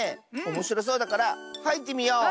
おもしろそうだからはいってみよう。